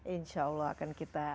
insya allah akan kita